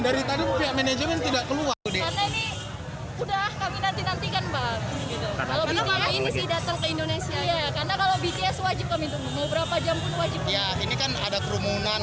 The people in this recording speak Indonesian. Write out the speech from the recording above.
dari tadi pihak manajemen tidak keluar